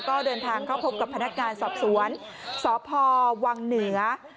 ก็เดินทางเข้าพบกับพนักงานสอบสวนสพวังเหนือ